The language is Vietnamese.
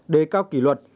đề cao kỷ luật